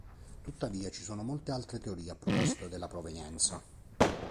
Tuttavia, ci sono molte altre teorie a proposito della provenienza.